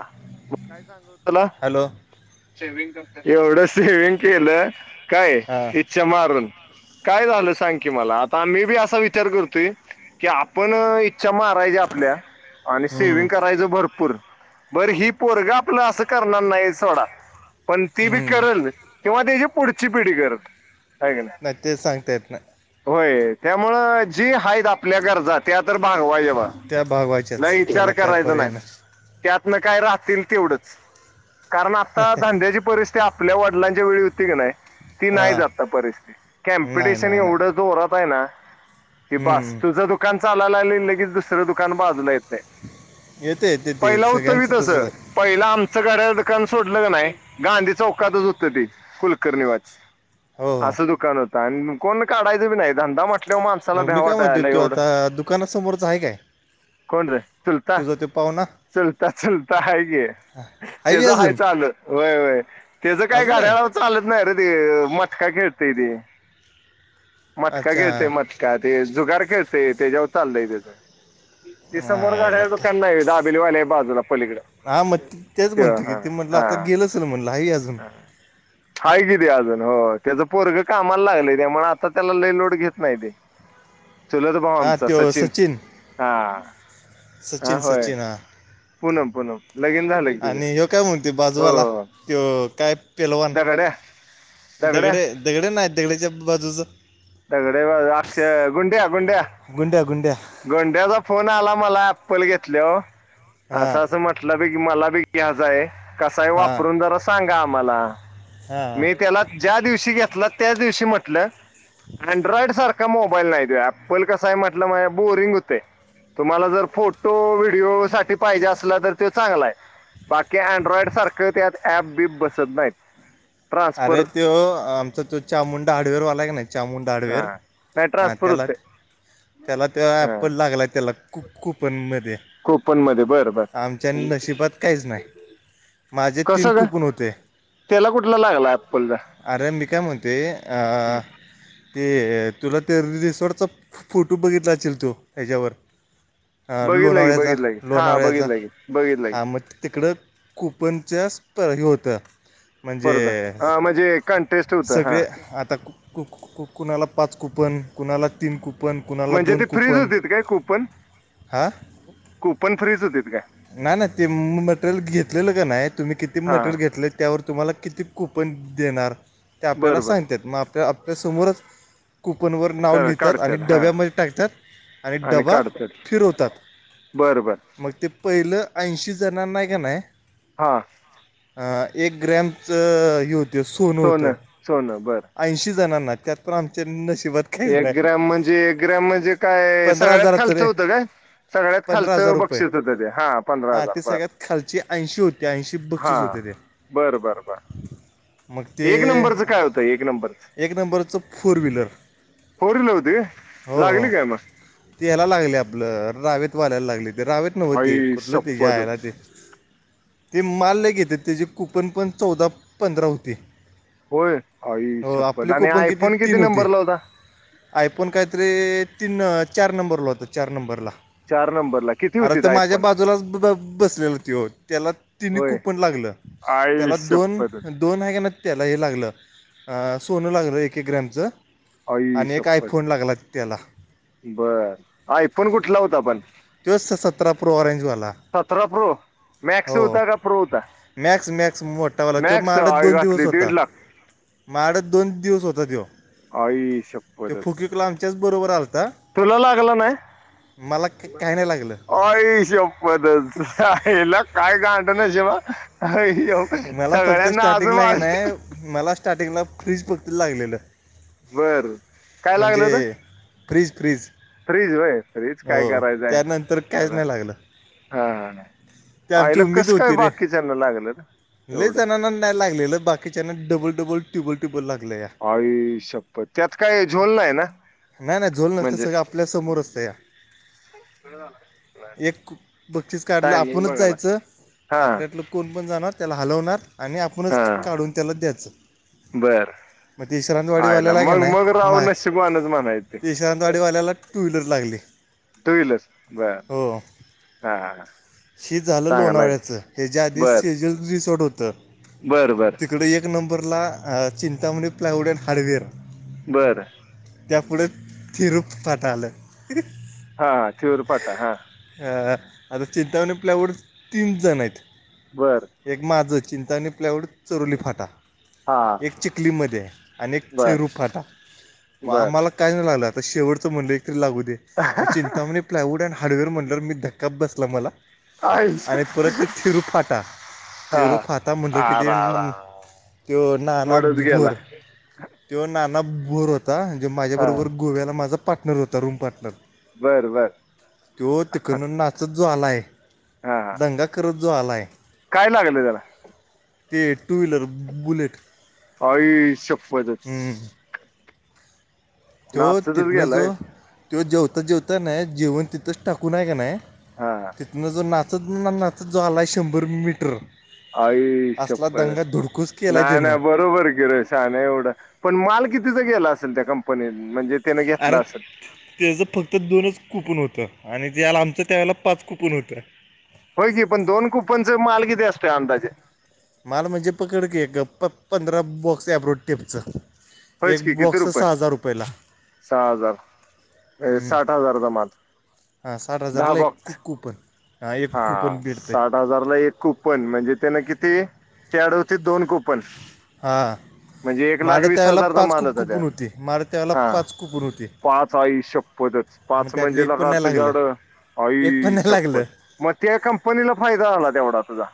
काय सांग तुला हॅलो स्मिंग करतो एवढंचं सेविंग केलं काय हां इच्छा मारून काय झालं सांग की मला आता मी बी असा विचार करतोय की आपण. इच्छा मारायचे आपल्या आणि हम्म, सेविंग करायचं भरपूर बरं ही पोरगं आपलं असं करणार नाही सोडा पण ती बी हम्म. करलं किंवा त्याची पुढची पिढी करत. न सांगता येत ना तत्यामुळे जी आहेत आपल्या गरजा त्या तर बागवा हेव त्या नाही भागवायच्याच विचार त्याला काय करायचं पर्याय नाही. त्यातन काय राहतील तेवढंच? कारण आता धंद्याची परिस्थिती, ते आपल्या वडिलांच्या वेळी होती की नाही. ती नाही आता हां परिस्थिती नाही कॉम्पिटिशन नाही एवढं नाही जोरात आहे ना. कि बास.... हम्म. तुझं दुकान चालायला आ लगेच, दुसरं दुकान बाजूला येते. येते येते ते पहिला होत कि सगळ्यांचं तस. तसंच आहे पहिला आमच गाड्या दुकान सोडलं का नाही. गांधी चौकातच होत ते कुलकर्णीवाच हो हो असं दुकान होतं, आणि कोण काढायचं पण नाही धंदा म्हटल मग मी काय म्हणतो तो आता दुकानासमोरच आहे काय? कोण र? तुझ ते पाव्हणा. चुलता चुलता हाय की. बी तेच हाय अजून चालु. होय होय तेच काय अजून आहे गाड्याला चालत नाही रे ते मट मटका खेळतय ते, मटका अच्छा खेळतय मटका. जुगार खेळतय त्याच्यावर चालतय त्याच.... ते समोर नाही, याला घडायाळाच काय. दुकान नाही व्हय? बिलीवा [inaudible] बाजूला पलीकडे हा मग तेच म्हणतो की, ते म्हटलं आता गेल असेल म्हटलं आहे की अजून हाय की ते अजून..... होय. त्याचा पोरग कामाला लागलय, त्यामुळे आता त्याला लय लोड घेत नाही ते. चुलत भाऊ हां आमचा त्यो सचिन हा हा सचिन होय सचिन पूनम पूनम लगीन झालं की तुझं आणि हो काय म्हणते? हो बाजूवाला तो काय पैलवान... ह दगड दगड नाहीत. दगडच्या बाजूच दगडे अक्षय गुड्या गुंड्या गुंड्या गुंड्या गुड्याचा फोन आला मला. चप्पल घेतले ओ, हां असं असं म्हंटलं बी की मला बी घ्यायचाय आहे. कसाय? हां वापरून जरा सांगा आम्हाला. हां मी त्याला. ज्या दिवशी घेतला. त्याच दिवशी म्हटलं, अँड्रॉइड सारखा मोबाईल नाही ते, ॲपल कसाय म्हटलं, मग बोरिंग होतय. तुम्हाला जर फोटो, व्हिडिओ साठी पाहिजे असला, तर तो चांगलाय. बाकी अँड्रॉइड सारखं त्यात ऍप बीप बसत नाहीत. ट्रान्सफर अरे तो आमचा तो चामुंडा हार्डवेअर वालाय का नाही? चामुंडा हा हार्डवेअर नाही ट्रान्सफर त्याला होते त्याला त्या ॲपल लागलाय त्याला, कूप कूपनमध्ये, कोपन मध्ये बर बर आमच्या नशिबात काहीच नाही. माझे तीन कसं ग कुपून होते. त्याला कुठला लागलाय? आर मी काय म्हणतोय, अ ते तुला ते रिसॉर्टचा फोटो बघितला अशील तू ह्याच्यावर अ बघितलं की लोणावळ्याचा, बघितलं की हा लोणावळ्याचा बघितलं की बघितलं की हा म तिकडं. कुपनच्या स्प हे होत म्हणजे, परदा हा म्हणजे कंटेस्ट होतं हा सगळे आता कु कुणाला पाच कुपन, कुणाला तीन कुपन, कूपन कुणाला म्हणजे दोन ते फ्रीज कूपन. होतीत काय कुपन हा. कुपन फ्रीज होतीत काय नाही ना ते मटेरियल घेतलेलं का नाही, तुम्ही किती हा मटेरियल घेतले? त्यावर तुम्हाला किती कूपन देणार. ते आपल्याला बरं बर सांगतेत. मग आपल्या आपल्यासमोरच कुपनवर नाव कर लिहितात, आणि काढतात हा डब्यामध्ये टाकतात, आणि डबा फिरवतात. बरं बर मग ते पहिलं ऐंशी जणांनाय का नाही. हा. एक ग्रॅमचं हे होत सोनं होतं, सोनं बर ऐंशी जणांना. म त्यात पण आमचं नशीब एक ग्राम म्हणजे? एक ग्राम म्हणजे काय? पंधरा सगळ्यात हजाराचं खालच रे होतं काय? सगळ्यात पंधरा खालच हजार रुपये बक्षीसस होत ते. पंधरा हां हजार ते बर, सगळ्यात खालची ऐंशी होते ऐंशी हा. बक्षीस होते ते बरं, बरं, बरं. मग ते, एक नंबरचं काय होतं एक नंबरच एक नंबरचं फोर व्हीलर. फोर व्हीलर होती हो हो लागली काय मग ते याला लागल्या आपलं रावेत वाल्याला लागली रावेत नव ते आई कुठलं ते जायाला शपथच ते ते माल लय घेतेत त्याचे कुपन पण चौदा पंधरा होते होय आई शपत आणि कुपन आयफोन किती तीन होती नंबर ला होता आयफोन काही तरी तीन चार नंबरला होत चार नंबरला चार नंबर अर तो माझ्या बाजूला सुद्धा बसलेल तो त्याला तिन्ही होय कुपन लागलं आई त्याला दोन शपथच दोन आहे का त्याला हे लागलं सोनं लागलं एक एक ग्रॅमचं आणि एक आयफोन लागला त्याला बरं, आयफोन कुठला होता पण. तो स सतरा प्रो ऑरेंजवाला सतरा प्रो. हो मॅक्स होता का? प्रो होता. मॅक्स मॅक्स मोठावाला तो मॅक्स माडत दोन दिवस घातली होता, दीड लाख माडत दोन दिवस होता त्यो. आई तो शपथ च. फुकिकला आमच्याच बरोबर आल तुला लागला नाही. मला क- काय नाही लागलं अय शप्पतच. आहिला काय घाडंण नाशिब हा. हय. मला फक्त स्टार्टिंगलाय का नाय. मला स्टार्टिंगला फ्रीज फक्त लागलेलं. बरं, काय लागल होत? प्रिज प्रिज फ्रीज वय फ्रीज काय करायचय त्यानंतर काहीच आहे नाही लागलं ते आमची आईला उमेद कस काय होती रे बाकीच्यांना लागलं लय एवढं जणांना नाही लागलेलं बाकीच्यांन डबल डबल ट्युबल ट्युबल लागलं या अई शपथ त्यात काय झोल नाही ना नाही नाही झोल नसते सगळं आपल्या समोर असत या ब्र आला काय एक बक्षीस काढलं आपणच बघायला जायचं हा आपल्यातलं कोण कोण जाणार त्याला हलवणार आणि आपणच काढून त्याला द्यायचं बरं मग ते आयला विश्रांतवाडीवाल्याला का मग मग नाही राव माय नशीबवान चं म्हणायचं ते विश्रांतवाडीवाल्याला टू व्हीलर लागली टू व्हीलर बर हो हा हा हे झालं चांगला लोणावळ्याचं आहे याच्या आधी बर सेजल सोड होत बर बर तिकड एक नंबरला चिंतामणी प्लायवूडेड हार्डवेअर बरं त्यापुढे थिरूप फाटा आलं हा थेऊर फाटा हा अं, आता चिंतावणी प्लाऊड तीन जण आहेत बरं एक माझं चिंता आणि प्लाऊड चरुली फाटा हा एक चिखलीमध्ये, आणि एक बर थेरूफाटा. बर आम्हाला काय नाही झाल आता शेवटचं म्हटलं एक तरी लागू दे मग चिंतामणे प्लायवूड अँड हार्डवेअर म्हटल्यावर, मी धक्का बसला मला. आय आणि परत ते थिरू फाटा, हा तिरु फाता म्हणलं की आ ते रा ना रा तो नाना मोडच गेला भोर, तो ना नाना भोर होता, जे माझ्या हा बरोबर गोव्याला माझा पार्टनर होता, रूम पार्टनर, बर बर तो तिकडन नाचत जो आलाय हा हा दंगा करत, जो आलाय काय लागल त्याला. ते टू व्हीलर बुलेट. आई शप्पत हम्म. च. तो तिथनं गेलाय जो तेव्हा जेवता जेवता नाही जेवण तिथंच टाकूूनय का नाही हा तिथूनं जो नात आ ना ना तर ज आला आहे शंभर मीटर आई असला शपथच दंगा धुडकूस केलाय नाही त्यानं नाही बरोबर गे र शान एवढं पण माल कितीचा गेला त्या कंपनीत म्हणजे त्यानं घेतला अरे असेल त्याच फक्त दोनच कुपन होत आणि त्या्याला आमचं त्यावेळेला पाच कुपन होतं होय की पण दोन कुपनचे माल किती असतोय अंदाजे माल म्हणजे पकडकी एक पंधरा बॉक्स एब्रोड टेपचं होयच की एक किती बॉक्स रुपये सहा हजार रुपयेला. सहा हजार ए, हम्म साठ हजारचा माल हा साठ दहा हजारला एक कु बॉक्स कूपण. हा साठ हजारला एक कुपन म्हणजे त्यान किती त्याकडं होती, दोन कुपन हा. म्हणजे एक लाख वीस हजारचा माल होता त्यात, होती माड त्यावेळेला हा पाच कुपून होती पाच आई शप्पत, मग पाच त्यातलं म्हणजे, एक पण लेका नाही लागलं त्याच्याकडे, एक पण नाही आईशप्पथ लागलं म त्या कंपनीला फायदा झाला, तेवढा तुझा.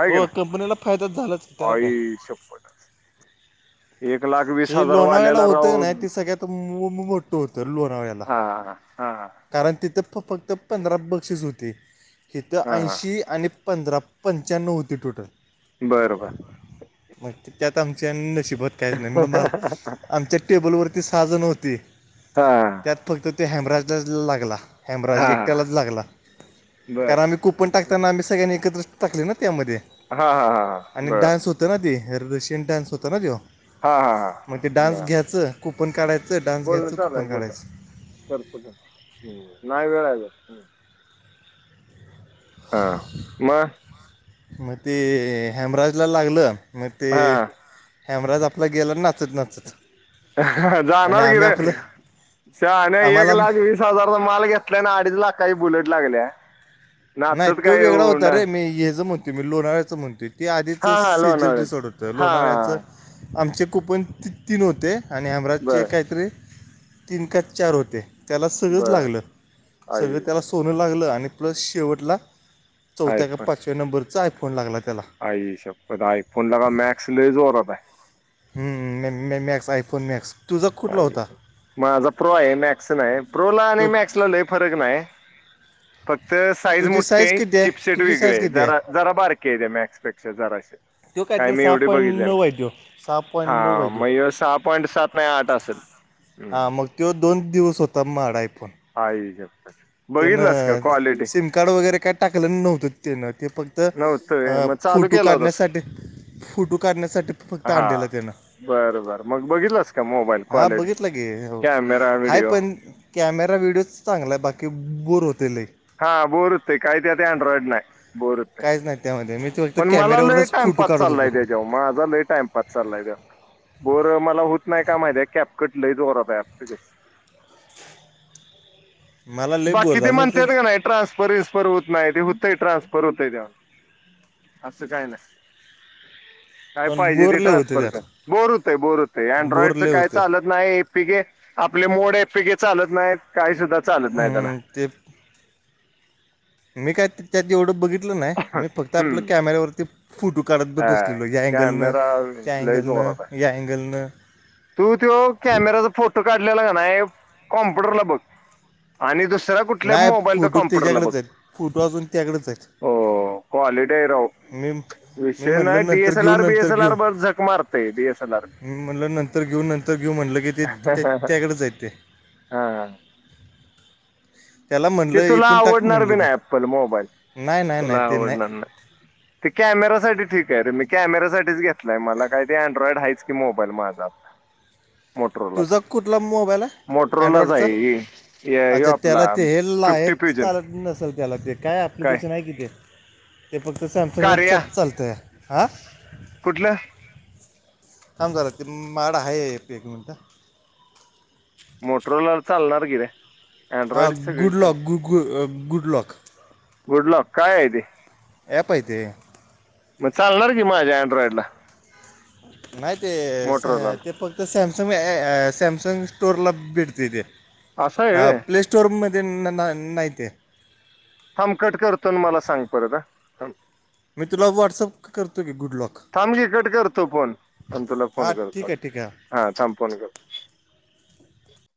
है का हो नाही कंपनीला फायदाच झालाच की त्याला काय आई शप्पथच. एक लाख वीस हे हजार लोणावळ्याला वालेला राह होतं का नाही ते सगळ्यात मो- मो- मोठं होतं लोणावळ्याला हा हा कारण तिथं फक्त पंधरा बक्षीस होते इिथं हा ऐंशी आणि पंधरा पंच्याण्णव होती टोटल बर बर मग त्यात आमच्या न शिबत काहीच नाही म मला आमच्या टेबलवरती साजण होती हा त्यात फक्त ते हॅमबराजला लागला हॅब्रज हा एकट्यालाच लागला कारण बर आम्ही कुपन टाकताना आम्ही सगळ्यांनी एकत्र टाकले ना त्यामध्ये हा हा हा आणि बर डान्स होत ना ते रशियन डान्स होत ना तो हा हा हा मग ते डान्स घ्यायचं खूप बोलण चाललंय बोलण करतो् नाही वेळा आहे हा म मग ते हॅबराजला लागलं मग ते हा हॅमराज आपला गेला नाचत नाचत आणि जाणार आम्ही किरे आपलं छ नाही एक आम्हाला लाख वीस हजारचा माल घेतलाय ना अडीच लाख काही बुलेट लागल्या नाही नाचत तो काय वेगळा येऊ होता ना रे मी हेच म्हणतेो मी लोणाव्याचं म्हणतेो ते आधीच हा हा सिजल लोणावळ्याच रिसॉर्ट होत तर हा लोणाळ्याचं आमचे कूपन त तीन होते आणि आमराजचे बर काहीतरी तीन का चार होते त्याला सगळंच बर लागलं सगळं त्याला आयुष्य सोनं लागलं आणि प्लस शेवटला आहे चौथ्या का पण पाचव्या नंबरचा आयफोन लागला त्याला आई सब आयफोन लागा मॅक्स ल जोरता ह मॅक्स आफोन मॅक्स तुझा मा कुठला होता माझा प्रो आहे मॅक्स नाही प्रो ला आणि तो मॅक्सला लही फरक नाही तर साईज तुझी मोठठी आहे किती चिपसेट तुझी वेगळे साईज आहे किती जरा जरा बारके आहे त्या मॅक्सपेक्षा जराे तो काय काहीतरी मी सहा एवढे पॉईंट बघितले नऊ आहे तो सहा पॉईंट नऊ हा आहे तो मग सहा पॉईंट सात नाही नाट असेल हम् हा मग तो दोन दिवस होता माडा आहे पण [inaudible] त्यान बघितलास का क्वालिटी सिम कार्ड वगैरे काय टाकलं नव्हतं त्यानं ते फक्त नव्हतं व्हय मग चालू फोटो केला होतास काढण्यासाठी फोटो काढण्यासाठी फक्त हा आणलेलं त्यानं बरं बरं मग बघितलास का मोबाईल हा क्वालिटी बघितलं ग कॅमेरा हा व्हिडिओ पण कॅमेरा व्हिडिओ चांगला आहे बाकी बोर होते एक हा बोरच ते काही ते आता अँड्रॉइड नाही. बोर होतंय काहीच नाही त्यामध्ये मी ते फक्त पण मला लेट कॅमेऱ्यावरूनच फोटो टाइमपास काढत चालला आहे होतो द्या जेव माझा लेट टाइमपास चालला आहे द्या बोर मला होत नाही का माहिती कॅप कट लही वत आहे. मला लय बोर बाकी ते झाला मी म्हणत तर का नाही ट्रान्सफर विस्फर होत नाही ते हो. हो ट्रान्सफर होतय ते्याव अस काही नाही. काय पण पाहिजे बोर ते लय होते ट्रान्सफर कर त्यात बोर होतंय बोर बोर अँड्रॉइडच लय काय होते चालत नाही एपी केे आपले मोड यापैकी चालत नाहीत काही सुद्धा चालत नाही त्याला हम्म ते मी काय त्या नाही मी फक्त आपलं हम्म कॅमेऱ्यावरती फोटो काढत ब हा. बसलेलो या अँगलनं कॅमेरा त्या लय जोरात अँगलनं आहे या अँगलनं तू तो कॅमेराचा फोटो काढलेला कपु ब कुठल्या नाही मोबाईल तर फोटो कॉम्प्युटरला बघ त्याच्याकडेच आहेत फोटो अजून त्याकडेच आहेत हो हॉलिडे राह मी मी म्हणलं नंतर घेऊ नंतर घेऊ बीएसएलआर बर झक मारते डीएसएलआर मी म्हणलं नंतर तर घेऊन नंतर घेऊ म्हटलं की ते त्याकडे जाय ते हा त्याला ते म्हणलं तुला एकूण टाक आवडणार बी म्हणलं ते ना ऍपल मोबाईल नाही नाही तुला नाही ते नाही आवडणार ना ते कॅमेरा साठी ठीक आहे रे मी कॅमेरा साठीच घेतलाय मला काही ते अँड्रॉइड हाच की मोबाईल माझा मोटोलाच तुझा कुठला मोबाईल आहे मोटोलाच अँड्रॉइडचा आहे ये अच्छा आपला त्याला ते हे फिफ्टी फ्युजन चालत नसल त्याला ते काय अप्लिकेशन आहे किथ ते फक्त कार्या सॅमसंगलाचच चालतय हा. कुठलं? थांब झारा ते माड आहे एक मिनिट मोटरलार चालणार किरे हा गुड लॉक गुु गुड लॉक गुडलॉक काय आहे ते ॲप आहे ते मग चालणार. माझ आंड्रॉइडला नाही ते ते फक्त सॅम सॅमसंग स्टोअरला भेटते तेे असं आहे व्हय? प्ले स्टोअरमध्ये नाही ते थमकट करतो मला सांग पर मी तुला व्हॉट्सअप करतो की गुड लॉक थांब मी कट करतो फोन पण तुला हां फोन करतो. ठीक आहे ठीक आहे हा थांपवून गे.